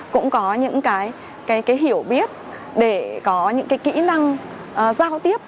cũng có những cái hiểu biết để có những cái kỹ năng giao tiếp